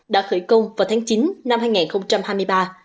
đã khởi công vào tháng chín năm hai nghìn hai mươi ba